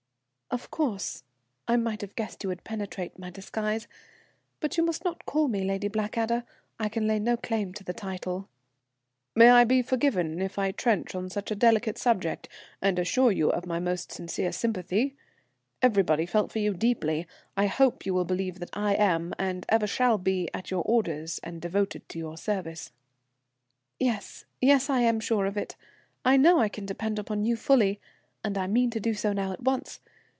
"Of course, I might have guessed you would penetrate my disguise, but you must not call me Lady Blackadder. I can lay no claim to the title." "May I be forgiven if I trench on such a delicate subject, and assure you of my most sincere sympathy? Everybody felt for you deeply. I hope you will believe that I am, and ever shall be, at your orders and devoted to your service." "Yes, yes, I am sure of it; I know I can depend upon you fully, and I mean to do so now at once.